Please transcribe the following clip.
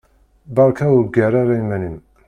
Beṛka ur ggar ara iman-im.